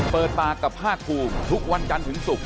เปิดปากกับภาคภูมิทุกวันจันทร์ถึงศุกร์